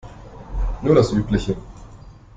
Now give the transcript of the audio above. Nur das Übliche.